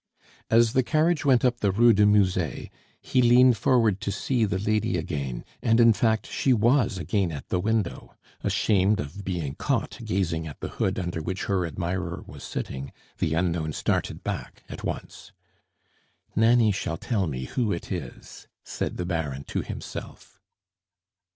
As the carriage went up the Rue du Musee, he leaned forward to see the lady again, and in fact she was again at the window. Ashamed of being caught gazing at the hood under which her admirer was sitting, the unknown started back at once. "Nanny shall tell me who it is," said the Baron to himself.